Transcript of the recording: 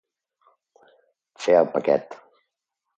Fer el paquet.